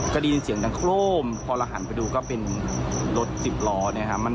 ก็ได้ยินเสียงดังโครมพอเราหันไปดูก็เป็นรถสิบล้อเนี่ยครับ